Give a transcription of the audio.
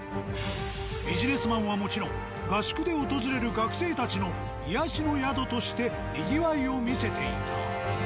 ビジネスマンはもちろん合宿で訪れる学生たちの癒やしの宿としてにぎわいを見せていた。